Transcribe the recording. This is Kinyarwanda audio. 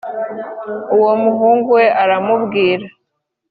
Uwo muhungu we aramubwira